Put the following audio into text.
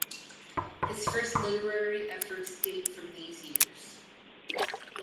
His first literary efforts date from these years.